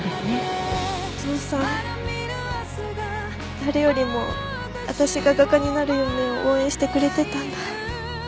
誰よりも私が画家になる夢を応援してくれてたんだ。